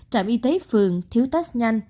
trạm y tế phường thiếu test nhanh